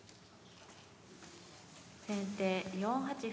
先手４八歩。